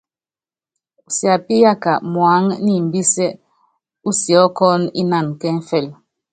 Usiapíyaka muáŋu niimbɛs sí siɔ́kɔnɔ ínanu kɛŋfɛlu.